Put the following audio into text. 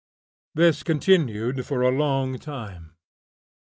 This continued for a long time.